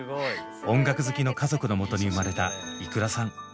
音楽好きの家族のもとに生まれたｉｋｕｒａさん。